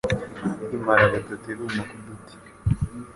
Imara gatatu iruma ku duti